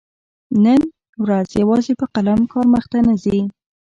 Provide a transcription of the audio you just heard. نن ورځ يوازي په قلم کار مخته نه ځي.